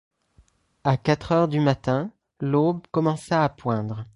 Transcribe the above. À quatre heures du matin, l’aube commença à poindre.